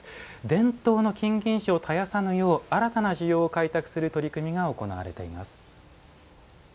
伝統の金銀糸を絶やさぬよう新たな需要を開拓する取り組みが行われています。